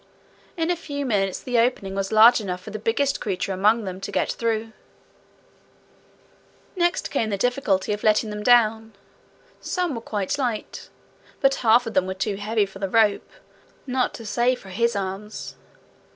In a few minutes the opening was large enough for the biggest creature among them to get through it. Next came the difficulty of letting them down: some were quite light, but the half of them were too heavy for the rope, not to say for his arms.